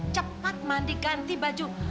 cepat mandi ganti baju